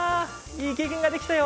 いい経験ができたよ。